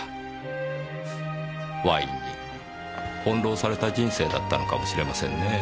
ワインに翻弄された人生だったのかもしれませんねぇ。